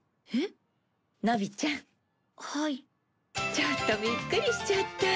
ちょっとビックリしちゃった。